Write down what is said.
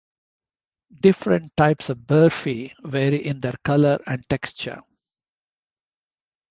Different types of Barfi vary in their colour and texture.